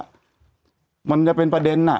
แต่หนูจะเอากับน้องเขามาแต่ว่า